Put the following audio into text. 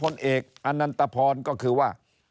เด็กอันนันตพรก็คือว่า